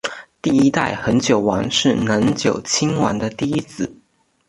第一代恒久王是能久亲王的第一子。